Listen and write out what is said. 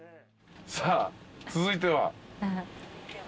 さあ続いては？